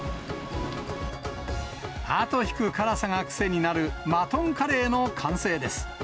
後引く辛さが癖になる、マトンカレーの完成です。